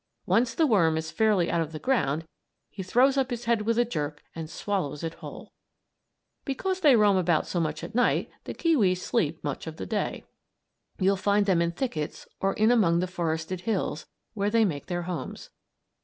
Once the worm is fairly out of the ground, he throws up his head with a jerk and swallows it whole. Because they roam about so much at night, the kiwis sleep much of the day. You'll find them in thickets or in among the forested hills, where they make their homes.